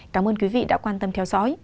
cảm ơn quý vị đã quan tâm theo dõi